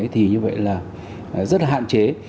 thì như vậy là rất là hạn chế